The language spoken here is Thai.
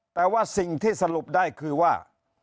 แต่ว่าสิ่งที่สรุปได้คือว่า